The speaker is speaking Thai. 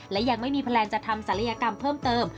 และยังไม่มีแพลนจะทำศัลยกรรมเพิ่มเติม